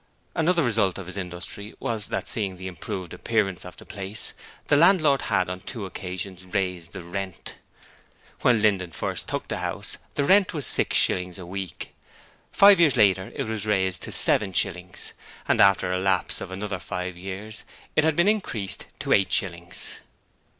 Another result of his industry was that seeing the improved appearance of the place the landlord had on two occasions raised the rent. When Linden first took the house the rent was six shillings a week. Five years after, it was raised to seven shillings, and after the lapse of another five years it had been increased to eight shillings.